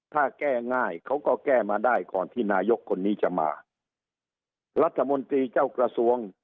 ถ้าแก้ง่ายเขาก็แก้มาได้ก่อนที่นายกคนนี้จะมารัฐมนตรีเจ้ากระทรวง